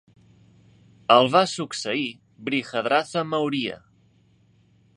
El va succeir Brihadratha Maurya.